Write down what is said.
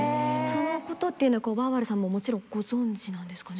そのことっていうのはＶＥＲＢＡＬさんももちろんご存じなんですかね？